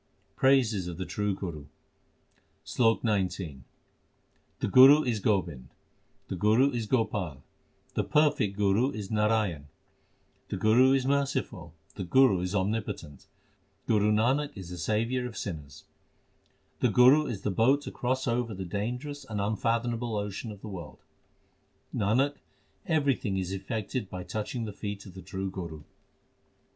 Praises of the true Guru : SLOK XIX The Guru is Gobind, the Guru is Gopal, the perfect Guru is Narayan ; The Guru is merciful, the Guru is omnipotent ; Guru Nanak is the saviour of sinners ; The Guru is the boat to cross over the dangerous and un fathomable ocean of the world. Nanak, everything is effected by touching the feet of the true Guru.